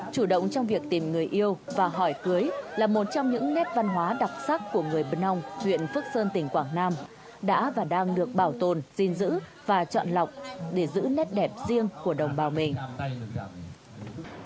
chủ động trong việc tìm người yêu và hỏi cưới là một trong những nét văn hóa đặc sắc của người bân âu huyện phước sơn tỉnh quảng nam đã và đang được bảo tồn gìn giữ và chọn lọc để giữ nét đẹp riêng của đồng bào mình